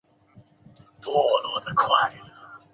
凋叶箭竹为禾本科箭竹属下的一个种。